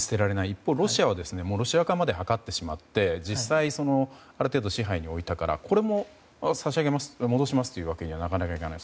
一方、ロシアはロシア化まではかってしまって実際、ある程度支配に置いたからこれも差し戻しますというわけにはなかなかいかない。